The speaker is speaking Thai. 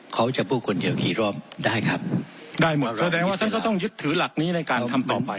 เขาจะพูดคนเดียวกี่รอบได้ครับได้หมดเลยแสดงว่าท่านก็ต้องยึดถือหลักนี้ในการทำต่อไป